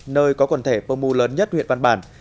nơi có quần thể pơ mu lớn nhất huyện văn bản